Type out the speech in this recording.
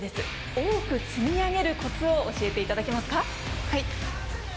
多く積み上げるコツを教えていただけますか。